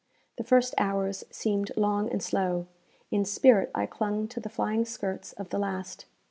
The first hours seemed long and slow; in spirit I clung to the flying skirts of the last.